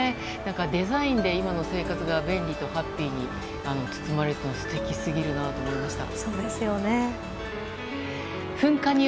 デザインで今の生活が便利とハッピーに包まれているって素敵すぎるなって思いました。